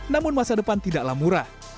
namun masa depan tidaklah murah